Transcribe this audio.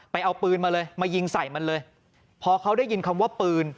เอาปืนมาเลยมายิงใส่มันเลยพอเขาได้ยินคำว่าปืน